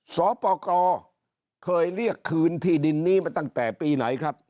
สปกรเคยเรียกคืนที่ดินนี้มาตั้งแต่ปีไหนครับ